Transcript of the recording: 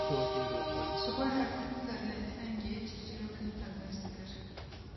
Jixwe her tim serlehengê çîrçîrokên qezenç dikir